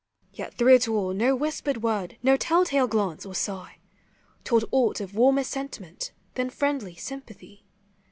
Yet through it all no* whispered word, no tell tale glance or sigh, Told aught of warmer sentiment than friendly sympathy.